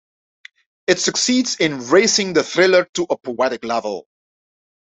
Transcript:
It succeeds in "raising the thriller to a poetic level".